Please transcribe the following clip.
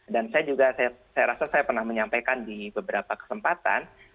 dan saya juga saya rasa saya pernah menyampaikan di beberapa kesempatan